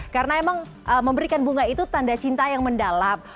karena emang memberikan bunga itu tanda cinta yang mendalam